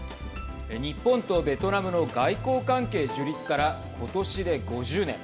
日本とベトナムの外交関係樹立から今年で５０年。